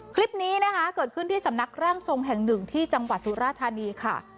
คลิปนี้นะคะเกิดขึ้นที่สำนักร่างทรงแห่งหนึ่งที่จังหวัดสุราธานีค่ะ